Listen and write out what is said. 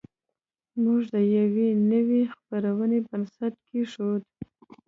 موږ د یوې نوې خپرونې بنسټ کېښود